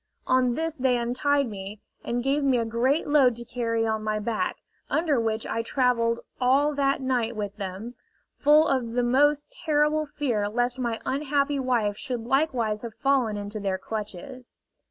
On this they untied me, and gave me a great load to carry on my back, under which I travelled all that night with them, full of the most terrible fear lest my unhappy wife should likewise have fallen into their clutches.